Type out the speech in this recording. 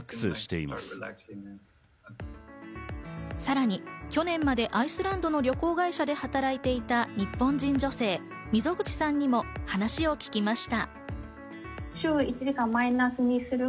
さらに、去年までアイスランドの旅行会社で働いていた日本人女性・溝口さんにも話を聞きました。